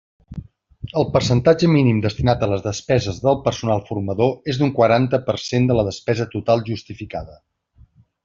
El percentatge mínim destinat a les despeses del personal formador és d'un quaranta per cent de la despesa total justificada.